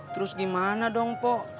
terus gimana dong pok